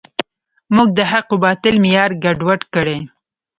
موږ د حق و باطل معیار ګډوډ کړی.